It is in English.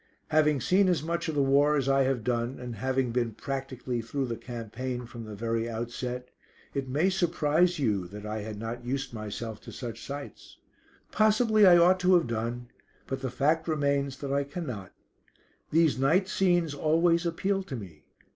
Having seen as much of the war as I have done, and having been practically through the campaign from the very outset, it may surprise you that I had not used myself to such sights. Possibly I ought to have done, but the fact remains that I cannot. These night scenes always appeal to me.